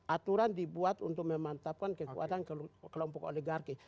aturan dibuat untuk memantapkan kekuatan kelompok oligarki